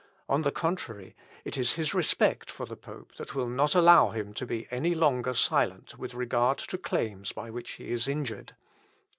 On the contrary, it is his respect for the pope that will not allow him to be any longer silent with regard to claims by which he is injured.